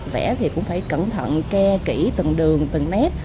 vẽ thì cũng phải cẩn thận ke kỹ từng đường từng nét